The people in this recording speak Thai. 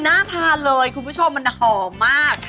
น่าทานเลยคุณผู้ชมมันหอมมาก